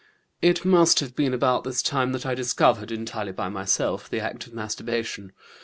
"It must have been at about this time that I discovered entirely by myself the act of masturbation.